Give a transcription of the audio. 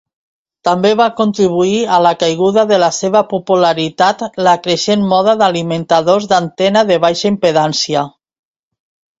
També va contribuir a la caiguda de la seva popularitat la creixent moda d'alimentadors d'antena de baixa impedància.